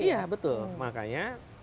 iya betul makanya